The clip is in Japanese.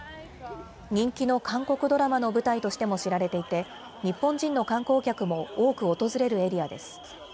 人気の韓国ドラマの舞台としても知られていて、日本人の観光客も多く訪れるエリアです。